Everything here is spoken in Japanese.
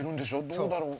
どうだろう。